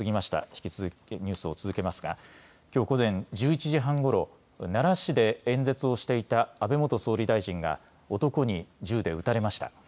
引き続きニュースを続けますがきょう午前１１時半ごろ奈良市で演説をしていた安倍元総理大臣が男に銃で撃たれました。